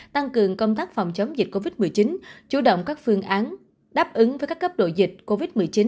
tăng cường công tác phòng chống dịch covid một mươi chín chủ động các phương án đáp ứng với các cấp độ dịch covid một mươi chín